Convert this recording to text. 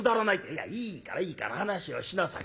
「いやいいからいいから話をしなさい。